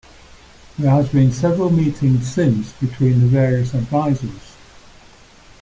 There has been several meetings since between the various advisers.